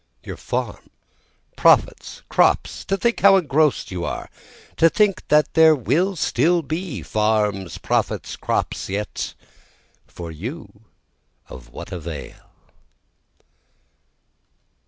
Your farm, profits, crops to think how engross'd you are, To think there will still be farms, profits, crops, yet for you of what avail?